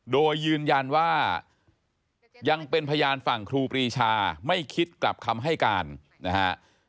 โดยยืนยันว่ายังเป็นพยานฝั่งครูปรีชาไม่คิดกลับคำให้การนะฮะ